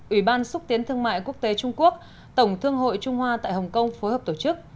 ủy ban xúc tiến thương mại quốc tế trung quốc tổng thương hội trung hoa tại hồng kông phối hợp tổ chức